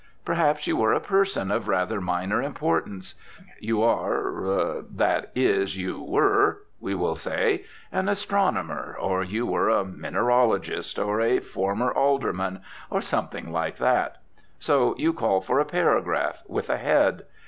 Perhaps you were a person of rather minor importance. You are, that is, you were, we will say, an astronomer, or you were a mineralogist, or a former Alderman, or something like that. So you call for a paragraph, with a head.